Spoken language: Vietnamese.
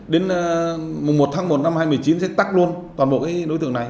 đến một tháng một năm hai nghìn một mươi chín sẽ tắt luôn toàn bộ cái đối tượng này